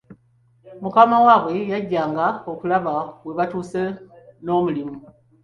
Mukama waabwe yajjanga kulaba webatuuse n'omulimu.